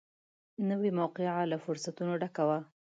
نوې موقعه له فرصتونو ډکه وي